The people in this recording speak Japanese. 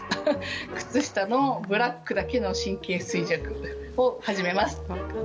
靴下のブラックだけの神経衰弱を始めますって。